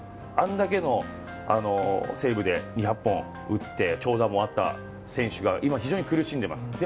あんだけの西武で２００本打って長打もあった選手が今非常に苦しんでいます。